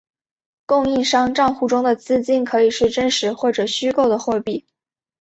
供应商帐户中的资金可以是真实或者虚构的货币。